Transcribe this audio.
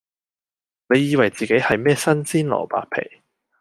你以為自己係咩新鮮蘿蔔皮